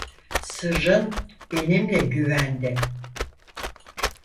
Sırrın benimle güvende.